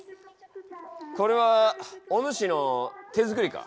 これはお主の手作りか？